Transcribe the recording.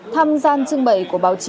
tham gian trưng bày của báo chí